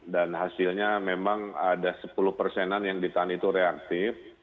dan hasilnya memang ada sepuluh persenan yang ditahan itu reaktif